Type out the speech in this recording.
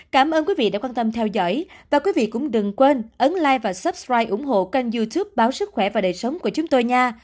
cảm ơn quý vị đã quan tâm theo dõi và quý vị cũng đừng quên ấn lai và supprite ủng hộ kênh youtube báo sức khỏe và đời sống của chúng tôi nha